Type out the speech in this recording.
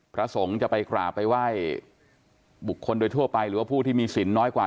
พระสงฆ์จะไปกราบไปไหว้บุคคลโดยทั่วไปหรือว่าผู้ที่มีสินน้อยกว่า